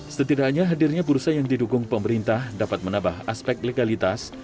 setidaknya hadirnya bursa yang didukung pemerintah dapat menambah aspek legalitas